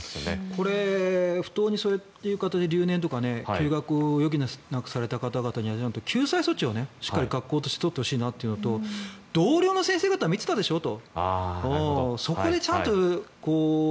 これ、不当にそういう形で留年とか休学を余儀なくされた方々には救済措置をしっかり学校として取ってほしいなというのと同僚の先生方見ていたでしょうと。